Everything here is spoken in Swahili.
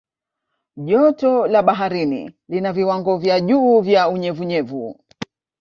joto la baharini lina viwango vya juu vya unyevunyevu